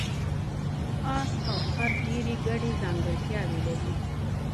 اس او خر ډېرې ګډې ځانګړتیاوې لري.